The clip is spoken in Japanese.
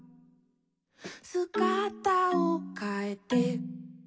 「すがたをかえて」